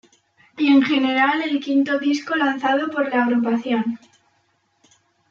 Y en general el quinto disco lanzado por la agrupación.